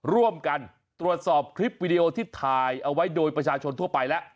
ร่วมกันตรวจสอบคลิปวิดีโอที่ถ่ายเอาไว้โดยประชาชนทั่วไปแล้ว